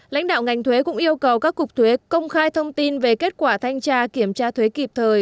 lãnh đạo ngành thuế cũng yêu cầu các cục thuế công khai thông tin về kết quả thanh tra kiểm tra thuế kịp thời